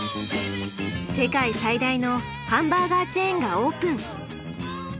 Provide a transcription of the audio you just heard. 世界最大のハンバーガーチェーンがオープン。